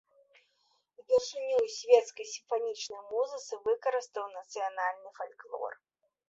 Упершыню ў свецкай сімфанічнай музыцы выкарыстаў нацыянальны фальклор.